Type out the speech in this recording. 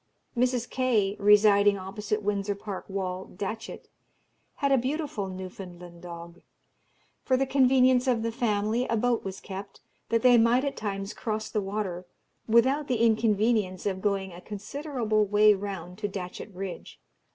Mrs. Kaye, residing opposite Windsor Park Wall, Datchet, had a beautiful Newfoundland dog. For the convenience of the family a boat was kept, that they might at times cross the water without the inconvenience of going a considerable way round to Datchet Bridge.